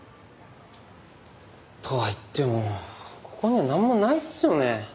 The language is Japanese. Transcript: とはいってもここにはなんもないっすよね。